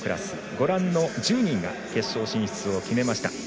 ご覧の１０人が決勝進出を決めました。